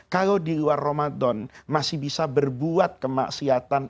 kalau di luar ramadan masih bisa berbuat kemaksiatan